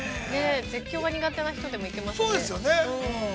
絶叫が苦手な人でも、行けますよね。